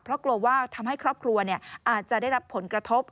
เพราะกลัวว่าทำให้ครอบครัวอาจจะได้รับผลกระทบ